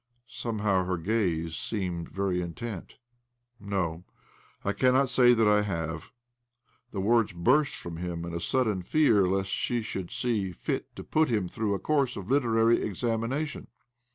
" Somehow her gaze seemed very intent. ' No, I cannot sa,y that I have." The words burst from him in a suddten fear lest she tehould see fit to put him through a course of literary examination.